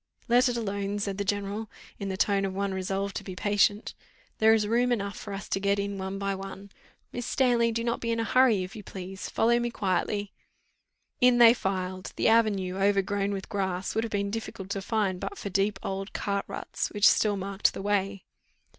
"Let it alone," said the general, in the tone of one resolved to be patient; "there is room enough for us to get in one by one Miss Stanley, do not be in a hurry, if you please; follow me quietly." In they filed. The avenue, overgrown with grass, would have been difficult to find, but for deep old cart ruts which still marked the way.